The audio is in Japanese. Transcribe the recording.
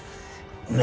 何？